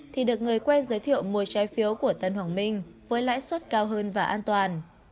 thì được người quen giới thiệu mua trái phiếu của tân hoàng minh với lãi suất cao hơn và an toàn